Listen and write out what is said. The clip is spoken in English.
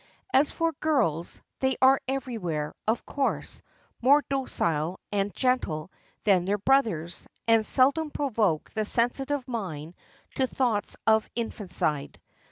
As for girls, they are everywhere, of course, more docile and gentle than their brothers, and seldom provoke the sensitive mind to thoughts of infanticide.